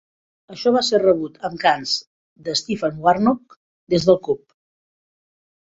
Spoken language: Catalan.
Això va ser rebut amb cants de "Stephen Warnock" des del Kop.